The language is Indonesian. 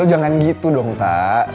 lo jangan gitu dong tak